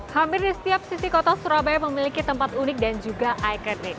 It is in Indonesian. hampir di setiap sisi kota surabaya memiliki tempat unik dan juga ikonik